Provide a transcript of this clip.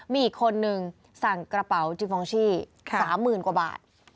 มีอีกคนนึงสั่งกระเป๋าจิฟองชี่๓๐๐๐กว่าบาท